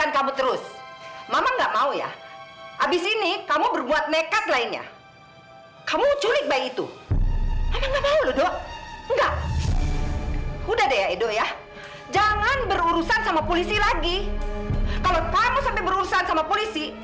kalau kamu sampai berurusan sama polisi